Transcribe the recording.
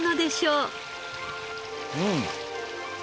うん！